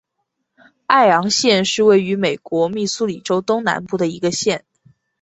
艾昂县是位于美国密苏里州东南部的一个县。